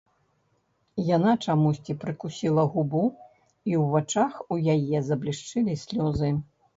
Яна чамусьці прыкусіла губу, і ў вачах у яе заблішчэлі слёзы.